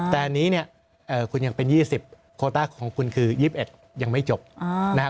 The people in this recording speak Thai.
แต่อันนี้เนี่ยคุณยังเป็น๒๐โคต้าของคุณคือ๒๑ยังไม่จบนะครับ